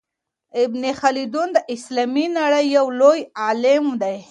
ابن خلدون د اسلامي نړۍ يو لوی عالم دی.